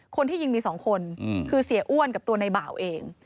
คนที่ยิงมี๒คนคือเสียอ้วนกับตัวในบ่าวเอง